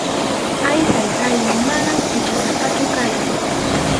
Ay, Taytáy, manam huchasapachu kani.